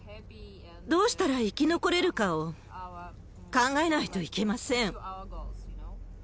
どうしたら生き残れるかを考えないといけません。